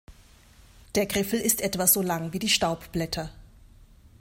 Der Griffel ist etwa so lang wie die Staubblätter.